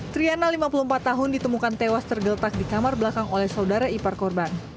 triana lima puluh empat tahun ditemukan tewas tergeletak di kamar belakang oleh saudara ipar korban